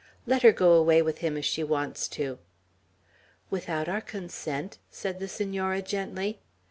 Let her go away with him, if she wants to.' "Without our consent?" said the Senora, gently.